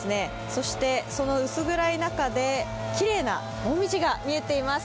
そして、その薄暗い中できれいなもみじが見えています。